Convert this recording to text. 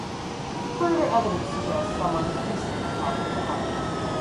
Further evidence suggests someone has recently inhabited the home.